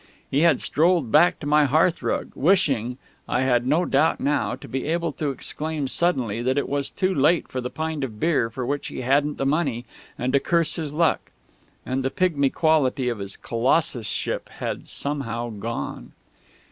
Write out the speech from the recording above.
He had strolled back to my hearthrug, wishing, I have no doubt now, to be able to exclaim suddenly that it was too late for the pint of beer for which he hadn't the money, and to curse his luck; and the pigmy quality of his colossusship had somehow gone.